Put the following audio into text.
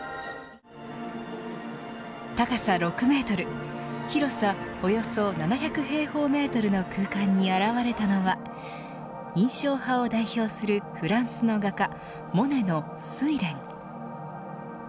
高さ６メートル広さおよそ７００平方メートルの空間に現れたのは印象派を代表するフランスの画家モネの睡蓮。